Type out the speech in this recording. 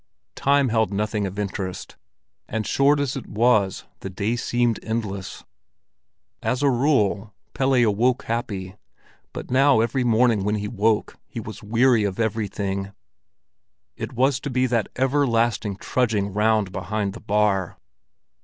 Time held nothing of interest, and short as it was the day seemed endless. As a rule, Pelle awoke happy, but now every morning when he woke he was weary of everything; it was to be that everlasting trudging round behind the bar.